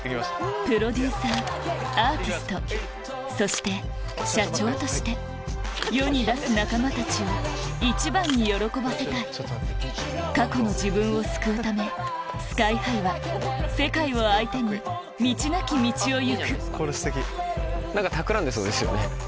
プロデューサーアーティストそして社長として世に出す仲間たちを一番に喜ばせたい過去の自分を救うためＳＫＹ−ＨＩは世界を相手に道なき道を行く何かたくらんでそうですよね。